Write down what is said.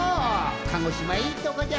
鹿児島いいとこじゃ。